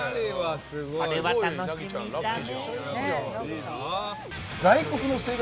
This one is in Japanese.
これは楽しみだね。